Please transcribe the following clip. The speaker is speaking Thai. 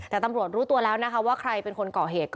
แต่ตำรวจรู้ตัวแล้วนะคะว่าใครเป็นคนก่อเหตุ